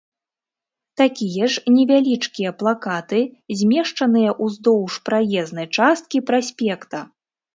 Такія ж невялічкія плакаты змешчаныя ўздоўж праезнай часткі праспекта.